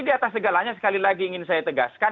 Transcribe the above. di atas segalanya sekali lagi ingin saya tegaskan